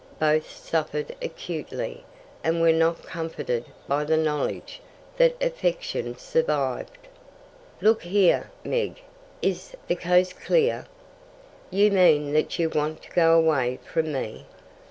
Both suffered acutely, and were not comforted by the knowledge that affection survived. "Look here, Meg, is the coast clear?" "You mean that you want to go away from me?"